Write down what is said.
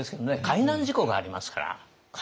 海難事故がありますから。